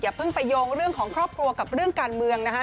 เพิ่งไปโยงเรื่องของครอบครัวกับเรื่องการเมืองนะคะ